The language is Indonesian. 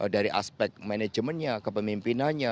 dari aspek manajemennya kepemimpinannya